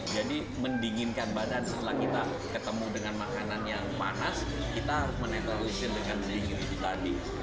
jadi mendinginkan badan setelah kita ketemu dengan makanan yang panas kita harus menetaluskan dengan dingin itu tadi